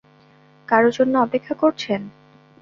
কারো জন্য অপেক্ষা করছেন?